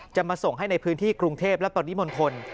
จะมาส่งให้ในพื้นที่กรุงเทพและปริมณฑล